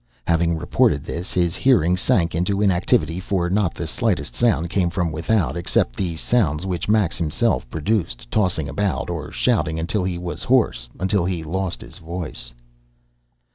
Having reported this, his hearing sank into inactivity, for not the slightest sound came from without, except the sounds which Max himself produced, tossing about, or shouting until he was hoarse, until he lost his voice.